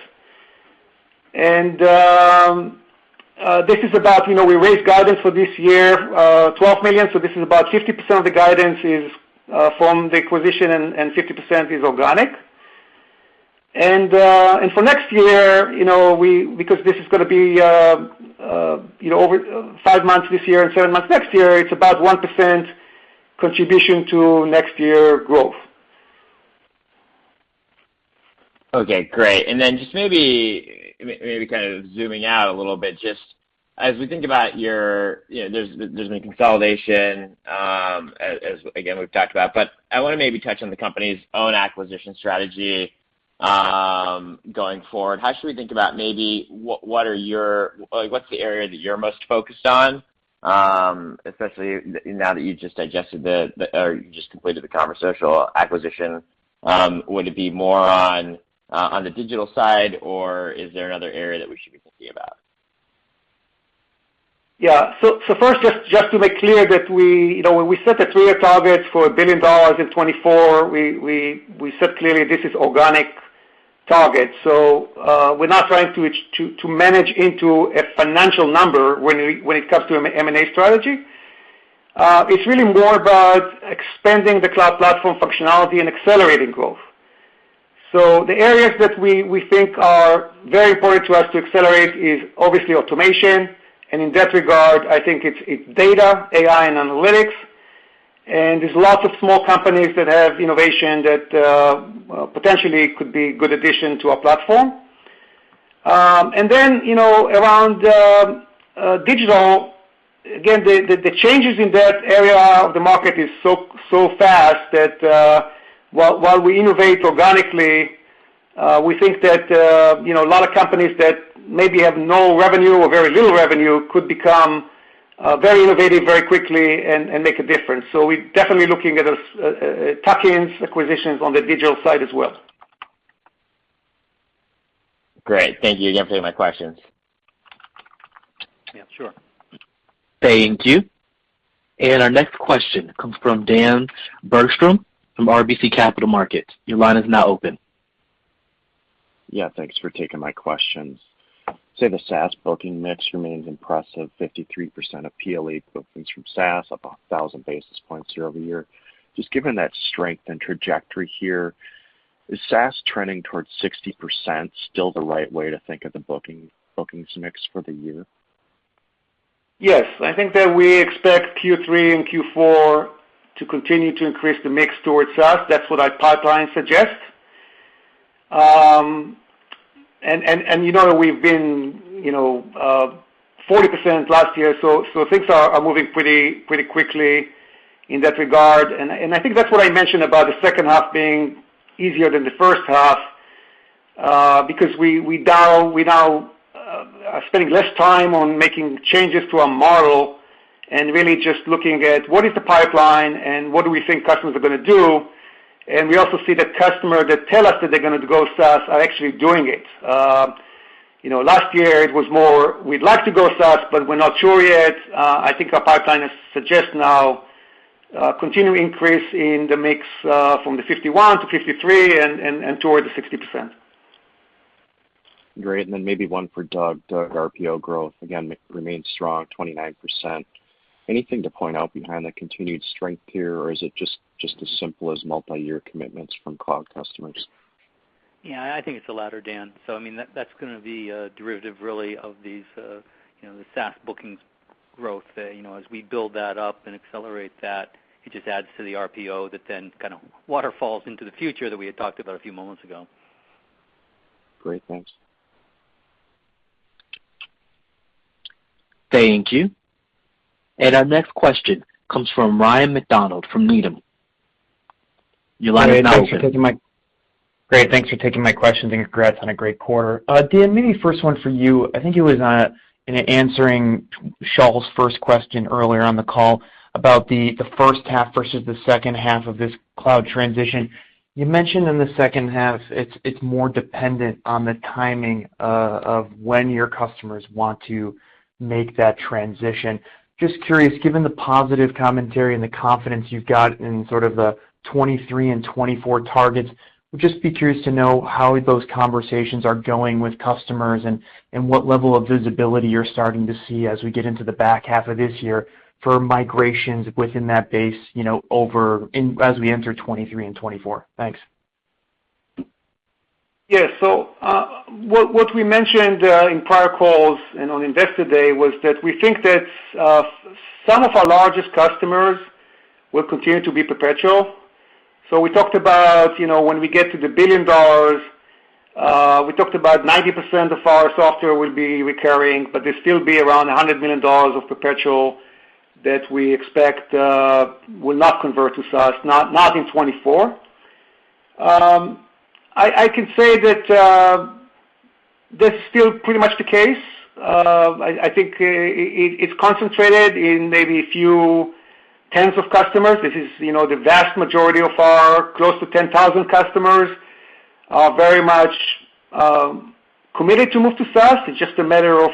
This is about, we raised guidance for this year, $12 million, this is about 50% of the guidance is from the acquisition, and 50% is organic. For next year, because this is going to be over five months this year and seven months next year, it's about 1% contribution to next year growth. Okay, great. Just maybe kind of zooming out a little bit, just as we think about your, there's been consolidation, as again, we've talked about, I want to maybe touch on the company's own acquisition strategy, going forward. How should we think about maybe, what's the area that you're most focused on, especially now that you just completed the Conversocial acquisition? Would it be more on the digital side, or is there another area that we should be thinking about? Yeah. First, just to make clear that when we set the three-year target for $1 billion in 2024, we said, clearly, this is organic target. We're not trying to manage into a financial number when it comes to M&A strategy. It's really more about expanding the cloud platform functionality and accelerating growth. The areas that we think are very important to us to accelerate is obviously automation. In that regard, I think it's data, AI, and analytics. There's lots of small companies that have innovation that potentially could be good addition to our platform. Then, around digital, again, the changes in that area of the market is so fast that, while we innovate organically, we think that a lot of companies that maybe have no revenue or very little revenue could become very innovative very quickly and make a difference. We're definitely looking at tuck-ins, acquisitions on the digital side as well. Great. Thank you again for taking my questions. Yeah, sure. Thank you. Our next question comes from Dan Bergstrom from RBC Capital Markets. Your line is now open. Yeah, thanks for taking my questions. I'd say the SaaS booking mix remains impressive, 53% of PLE bookings from SaaS, up 1,000 basis points year-over-year. Just given that strength and trajectory here, is SaaS trending towards 60% still the right way to think of the bookings mix for the year? Yes. I think that we expect Q3 and Q4 to continue to increase the mix towards SaaS. That's what our pipeline suggests. We've been 40% last year, so things are moving pretty quickly in that regard. I think that's what I mentioned about the second half being easier than the first half, because we now are spending less time on making changes to our model and really just looking at what is the pipeline and what do we think customers are going to do. We also see that customers that tell us that they're going to go SaaS are actually doing it. Last year, it was more, "We'd like to go SaaS, but we're not sure yet." I think our pipeline suggests now a continued increase in the mix, from the 51%-53% and toward the 60%. Great. Maybe one for Doug. Doug, RPO growth again remains strong, 29%. Anything to point out behind the continued strength here, or is it just as simple as multi-year commitments from cloud customers? Yeah, I think it's the latter, Dan. I mean, that's going to be a derivative, really, of these SaaS bookings growth, as we build that up and accelerate that, it just adds to the RPO that then kind of waterfalls into the future that we had talked about a few moments ago. Great. Thanks. Thank you. Our next question comes from Ryan MacDonald from Needham. Eli, thanks. Great. Thanks for taking my question, and congrats on a great quarter. Dan, maybe first one for you. I think it was in answering Shaul's first question earlier on the call about the first half versus the second half of this cloud transition. You mentioned in the second half, it's more dependent on the timing of when your customers want to make that transition. Just curious, given the positive commentary and the confidence you've got in sort of the 2023 and 2024 targets, would just be curious to know how those conversations are going with customers and what level of visibility you're starting to see as we get into the back half of this year for migrations within that base, as we enter 2023 and 2024. Thanks. Yes. What we mentioned in prior calls and on Investor Day was that we think that some of our largest customers will continue to be perpetual. We talked about, when we get to the $1 billion, we talked about 90% of our software will be recurring, but there will still be around $100 million of perpetual that we expect will not convert to SaaS, not in 2024. I can say that that is still pretty much the case. I think it is concentrated in maybe a few tens of customers. This is the vast majority of our close to 10,000 customers are very much committed to move to SaaS. It is just a matter of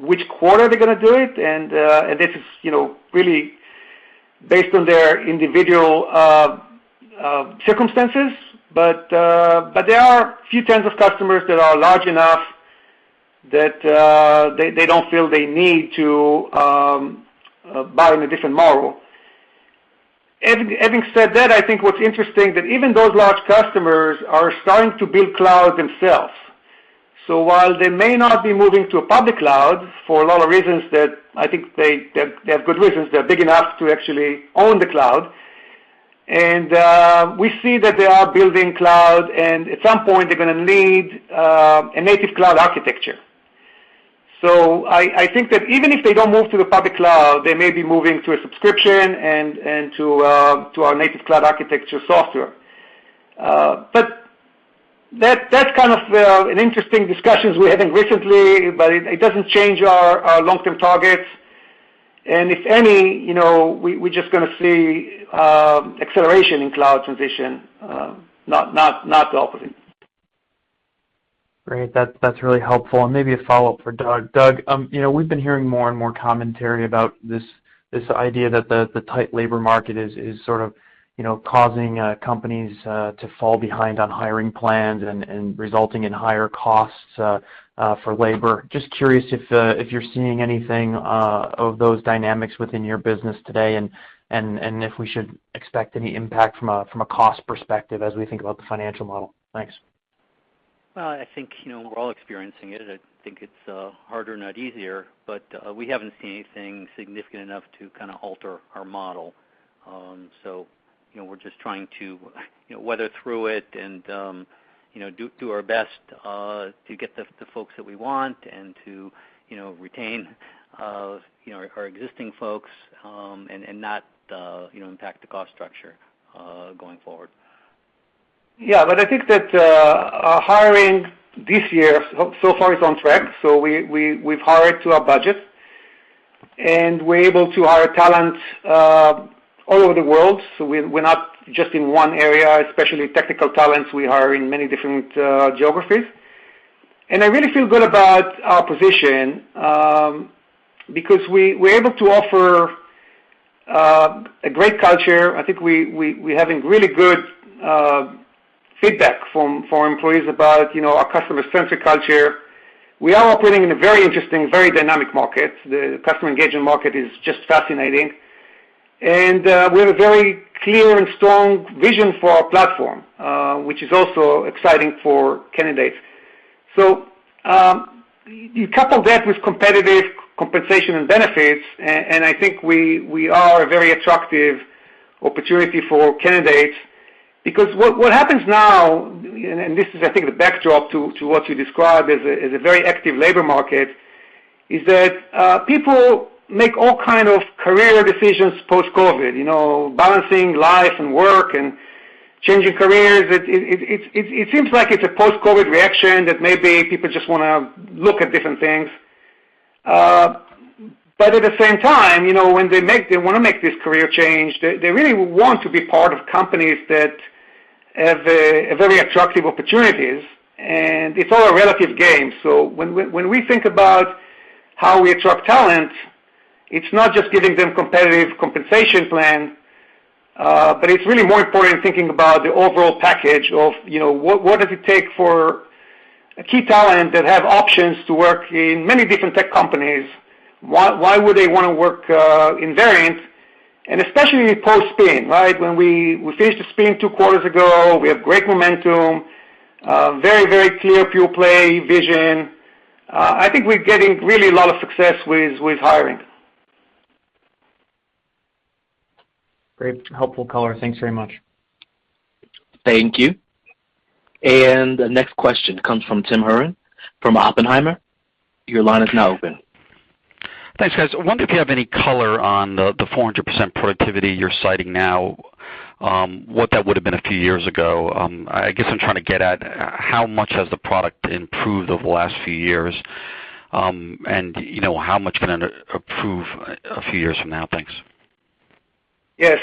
which quarter they are going to do it. This is really based on their individual circumstances. There are a few tens of customers that are large enough that they don't feel they need to buy in a different model. Having said that, I think what's interesting that even those large customers are starting to build cloud themselves. While they may not be moving to a public cloud for a lot of reasons that I think they have good reasons, they're big enough to actually own the cloud. We see that they are building cloud, and at some point, they're going to need a native cloud architecture. I think that even if they don't move to the public cloud, they may be moving to a subscription and to our native cloud architecture software. That's kind of an interesting discussions we're having recently. It doesn't change our long-term targets. If any, we're just going to see acceleration in cloud transition, not the opposite. Great. That's really helpful. Maybe a follow-up for Doug. Doug, we've been hearing more and more commentary about this idea that the tight labor market is sort of causing companies to fall behind on hiring plans and resulting in higher costs for labor. Just curious if you're seeing anything of those dynamics within your business today, and if we should expect any impact from a cost perspective as we think about the financial model. Thanks. I think, we're all experiencing it. I think it's harder, not easier. We haven't seen anything significant enough to kind of alter our model. We're just trying to weather through it and do our best to get the folks that we want and to retain our existing folks, and not impact the cost structure going forward. I think that our hiring this year so far is on track. We've hired to our budget, and we're able to hire talent all over the world. We're not just in one area, especially technical talents. We hire in many different geographies. I really feel good about our position, because we're able to offer a great culture. I think we're having really good feedback from employees about our customer-centric culture. We are operating in a very interesting, very dynamic market. The customer engagement market is just fascinating. We have a very clear and strong vision for our platform, which is also exciting for candidates. You couple that with competitive compensation and benefits, and I think we are a very attractive opportunity for candidates because what happens now, and this is, I think, the backdrop to what you described as a very active labor market, is that people make all kind of career decisions post-COVID, balancing life and work and changing careers. It seems like it's a post-COVID reaction that maybe people just want to look at different things. At the same time, when they want to make this career change, they really want to be part of companies that have very attractive opportunities. It's all a relative game. When we think about how we attract talent, it's not just giving them competitive compensation plan, but it's really more important thinking about the overall package of what does it take for a key talent that have options to work in many different tech companies? Why would they want to work in Verint? Especially post-spin, right? When we finished the spin two quarters ago, we have great momentum, very clear pure play vision. I think we're getting really a lot of success with hiring. Great helpful color. Thanks very much. Thank you. The next question comes from Timothy Horan from Oppenheimer. Your line is now open. Thanks, guys. I wonder if you have any color on the 400% productivity you're citing now, what that would've been a few years ago. I guess I'm trying to get at how much has the product improved over the last few years, and how much can it improve a few years from now? Thanks. Yes.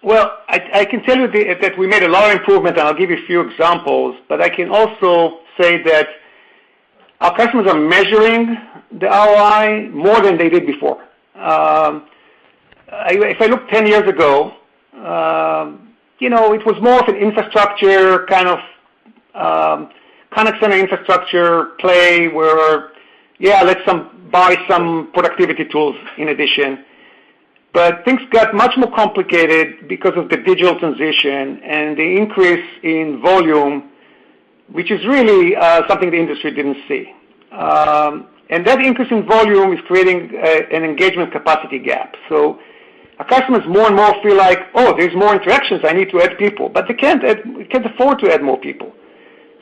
Well, I can tell you that we made a lot of improvement, and I'll give you a few examples, but I can also say that our customers are measuring the ROI more than they did before. If I look 10 years ago, it was more of an infrastructure, kind of contact center infrastructure play where, let's buy some productivity tools in addition. Things got much more complicated because of the digital transition and the increase in volume, which is really something the industry didn't see. That increase in volume is creating an engagement capacity gap. Our customers more and more feel like, oh, there's more interactions, I need to add people, but they can't afford to add more people.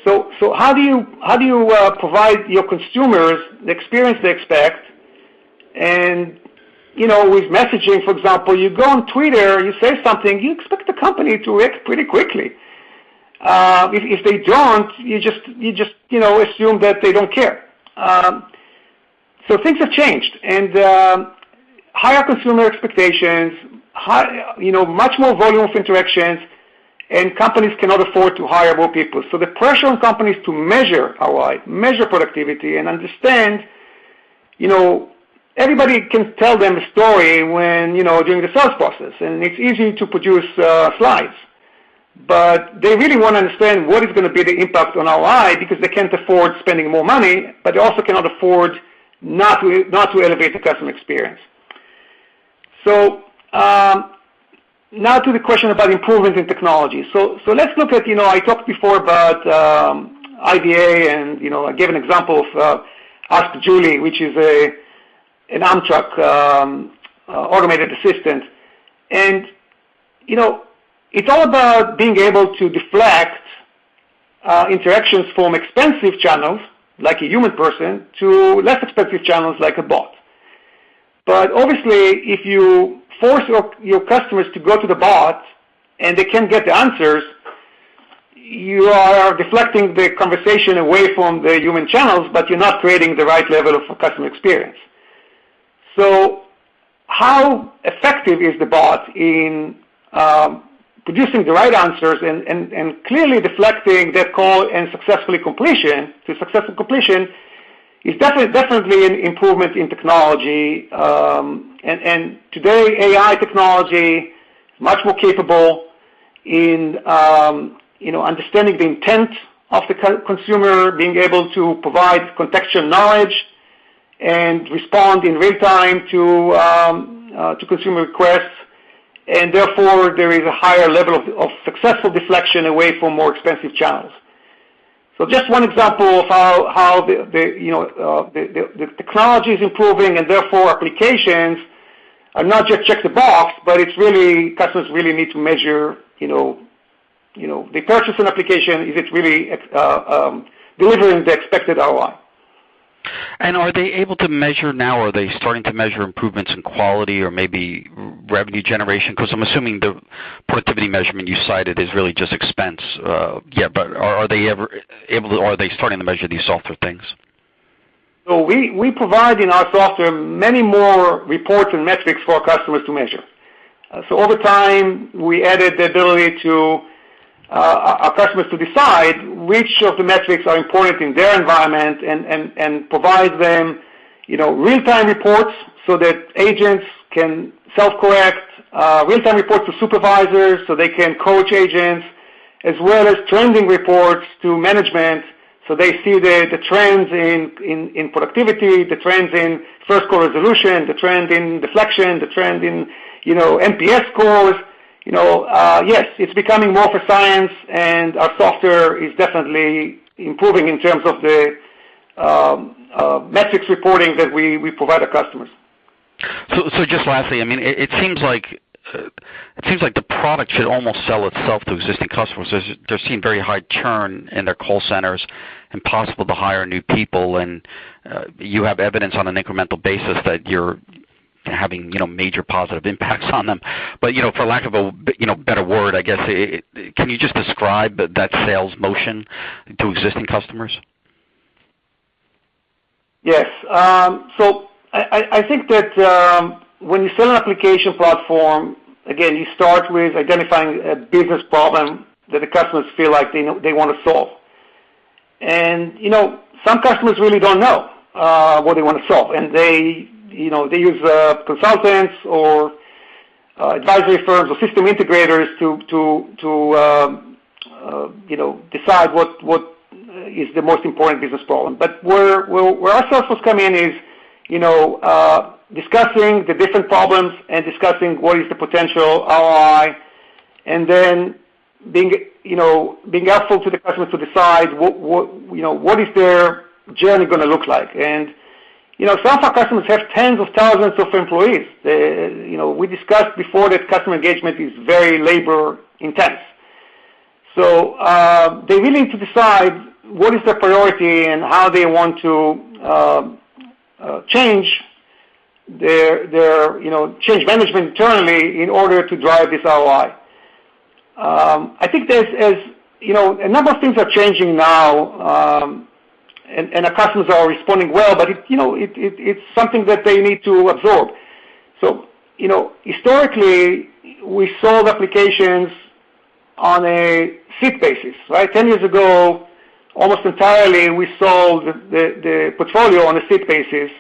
How do you provide your consumers the experience they expect and, with messaging, for example, you go on Twitter, you say something, you expect the company to react pretty quickly. If they don't, you just assume that they don't care. Things have changed, and higher consumer expectations, much more volume of interactions, and companies cannot afford to hire more people. The pressure on companies to measure ROI, measure productivity, and understand, everybody can tell them a story during the sales process, and it's easy to produce slides, but they really want to understand what is going to be the impact on ROI because they can't afford spending more money, but they also cannot afford not to elevate the customer experience. Now to the question about improvement in technology. Let's look at, I talked before about IVA and I gave an example of Ask Julie, which is an Amtrak automated assistant. It's all about being able to deflect interactions from expensive channels, like a human person, to less expensive channels like a bot. Obviously, if you force your customers to go to the bot and they can't get the answers, you are deflecting the conversation away from the human channels, but you're not creating the right level of customer experience. How effective is the bot in producing the right answers and clearly deflecting that call to successful completion is definitely an improvement in technology. Today, AI technology, much more capable in understanding the intent of the consumer, being able to provide contextual knowledge and respond in real time to consumer requests, and therefore there is a higher level of successful deflection away from more expensive channels. Just one example of how the technology is improving and therefore applications are not just check the box, but customers really need to measure, they purchase an application if it's really delivering the expected ROI. Are they able to measure now, are they starting to measure improvements in quality or maybe revenue generation? I'm assuming the productivity measurement you cited is really just expense. Are they starting to measure these softer things? We provide in our software many more reports and metrics for our customers to measure. Over time, we added the ability to our customers to decide which of the metrics are important in their environment and provide them real-time reports so that agents can self-correct, real-time reports to supervisors so they can coach agents, as well as trending reports to management, so they see the trends in productivity, the trends in first call resolution, the trend in deflection, the trend in Net Promoter Score. Yes, it's becoming more for science, and our software is definitely improving in terms of the metrics reporting that we provide our customers. Just lastly, it seems like the product should almost sell itself to existing customers. They're seeing very high churn in their call centers and possible to hire new people, and you have evidence on an incremental basis that you're having major positive impacts on them. For lack of a better word, I guess, can you just describe that sales motion to existing customers? Yes. I think that when you sell an application platform, again, you start with identifying a business problem that the customers feel like they want to solve. Some customers really don't know what they want to solve. They use consultants or advisory firms or system integrators to decide what is the most important business problem. Where our sources come in is discussing the different problems and discussing what is the potential ROI, and then being helpful to the customers to decide what is their journey going to look like. Some of our customers have tens of thousands of employees. We discussed before that customer engagement is very labor intense. They really need to decide what is their priority and how they want to change management internally in order to drive this ROI. I think a number of things are changing now, our customers are responding well, it's something that they need to absorb. Historically, we sold applications on a seat basis, right? 10 years ago, almost entirely, we sold the portfolio on a seat basis.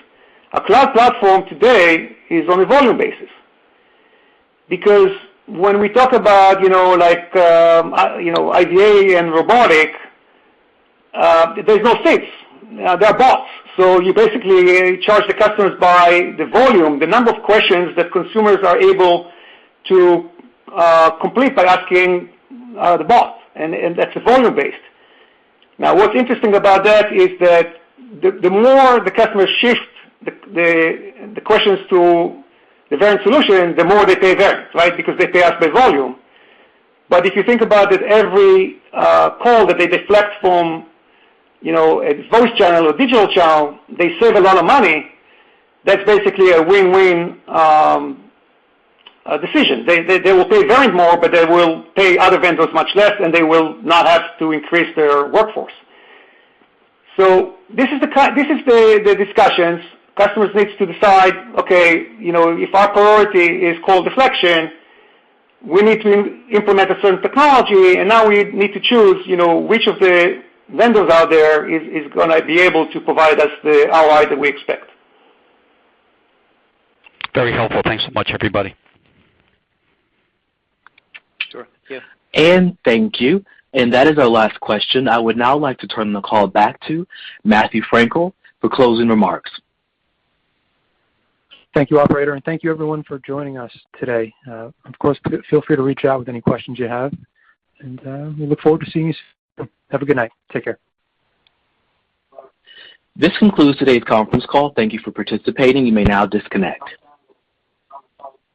A cloud platform today is on a volume basis. When we talk about IVA and robotic, there's no seats. They're bots. You basically charge the customers by the volume, the number of questions that consumers are able to complete by asking the bot, that's a volume base. What's interesting about that is that the more the customer shifts the questions to the Verint solution, the more they pay Verint, right? They pay us per volume. If you think about it, every call that they deflect from a voice channel or digital channel, they save a lot of money. That's basically a win-win decision. They will pay Verint more, but they will pay other vendors much less, and they will not have to increase their workforce. This is the discussions. Customers need to decide, okay, if our priority is call deflection, we need to implement a certain technology, and now we need to choose which of the vendors out there is going to be able to provide us the ROI that we expect. Very helpful. Thanks so much, everybody. Sure. Yeah. Thank you. That is our last question. I would now like to turn the call back to Matthew Frankel for closing remarks. Thank you, operator, and thank you, everyone, for joining us today. Of course, feel free to reach out with any questions you have, and we look forward to seeing you soon. Have a good night. Take care. This concludes today's conference call. Thank you for participating. You may now disconnect.